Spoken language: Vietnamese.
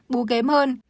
bú kém hơn